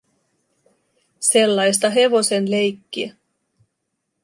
Sellaista hevosen leikkiä.